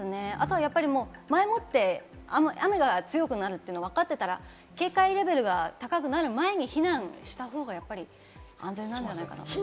あとは前もって雨が強くなるというのがわかっていたら、警戒レベルが高くなる前に避難した方が安全なんじゃないかと思います。